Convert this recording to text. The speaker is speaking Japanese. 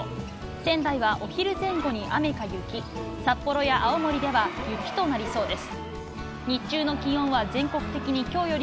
仙台はお昼前後に雨か雪、札幌や青森では雪となりそうです。